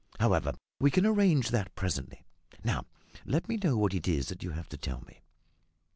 However, we can arrange that presently. Now, let me know what it is that you have to tell me."